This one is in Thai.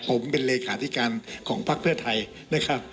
ผมเป็นเลขาธิการของภักดิ์เพื่อไทยนะครับ